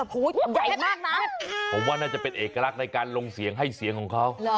ผมว่าน่าจะเป็นเอกลักษณ์ในการลงเสียงให้เสียงของเขา